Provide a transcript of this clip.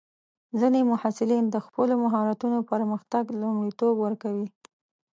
ځینې محصلین د خپلو مهارتونو پرمختګ ته لومړیتوب ورکوي.